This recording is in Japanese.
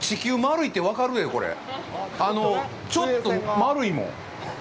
ちょっと丸いもん。